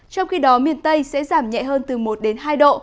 trong khi đó miền tây sẽ giảm nhẹ hơn từ một đến hai độ